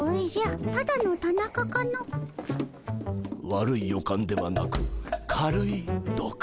悪い予感ではなく軽い土管。